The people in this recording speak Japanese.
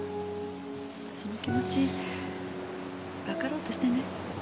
その気持ちわかろうとしてね。